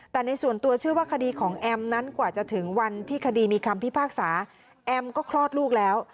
แต่ในส่วนตัวเชื่อว่าคดีของแอมนั้นกว่าจะถึงวันที่คดีมีคำพิพากษาแอมก็คลอดลูกแล้ว